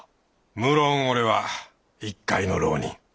むろん俺は一介の浪人。